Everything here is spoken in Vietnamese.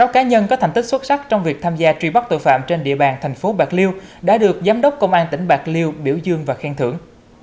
sáu cá nhân có thành tích xuất sắc trong việc tham gia truy bắt tội phạm trên địa bàn thành phố bạc liêu đã được giám đốc công an tỉnh bạc liêu biểu dương và khen thưởng